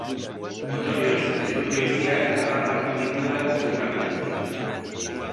Ondorioz, elur-jausiak harrapatu dituela konfirmatu dute.